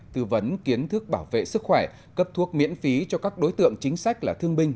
tư vấn kiến thức bảo vệ sức khỏe cấp thuốc miễn phí cho các đối tượng chính sách là thương binh